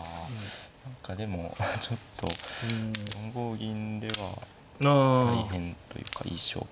何かでもちょっと４五銀では大変というかいい勝負かなと。